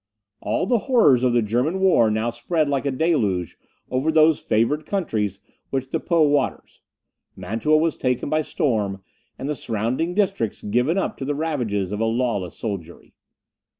All the horrors of the German war now spread like a deluge over those favoured countries which the Po waters; Mantua was taken by storm, and the surrounding districts given up to the ravages of a lawless soldiery.